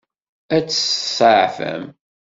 Ad tt-tseɛfem?